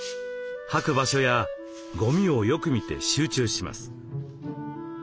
はく場所やごみをよく見て集中します。